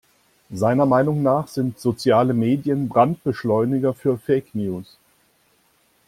Seiner Meinung nach sind soziale Medien Brandbeschleuniger für Fake-News.